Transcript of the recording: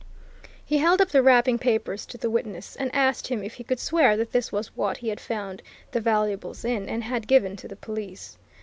He held up the wrapping papers to the witness and asked him if he could swear that this was what he had found the valuables in and had given to the police.